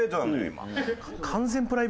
今。